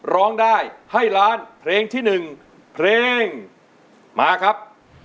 ร้องได้ให้ล้านเพลงที่๑เพลงมาครับ